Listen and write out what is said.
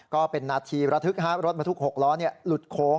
ก็เป็นนาทีระทึกรถบรรทุก๖ล้อหลุดโค้ง